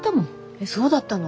えっそうだったの？